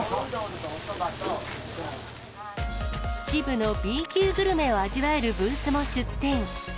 秩父のＢ級グルメを味わえるブースも出店。